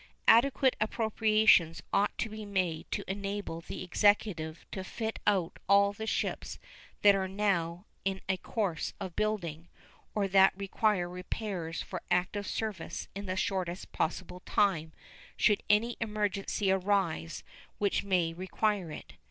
Adequate appropriations ought to be made to enable the Executive to fit out all the ships that are now in a course of building or that require repairs for active service in the shortest possible time should any emergency arise which may require it.